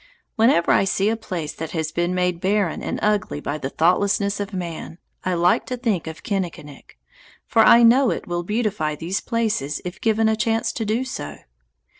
Whenever I see a place that has been made barren and ugly by the thoughtlessness of man, I like to think of Kinnikinick, for I know it will beautify these places if given a chance to do so.